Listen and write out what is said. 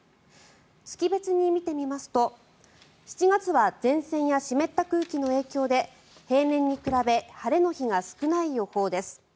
月別に見てみますと７月は前線や湿った空気の影響で平年に比べ晴れの日が少ない予報です。